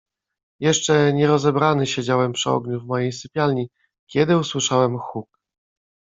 "Jeszcze nie rozebrany siedziałem przy ogniu w mojej sypialni, kiedy usłyszałem huk."